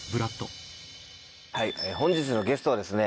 本日のゲストはですね